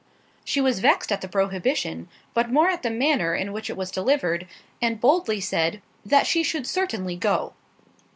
She was vexed at the prohibition, but more at the manner in which it was delivered, and boldly said, "That she should certainly go."